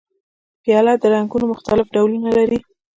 پیاله د رنګونو مختلف ډولونه لري.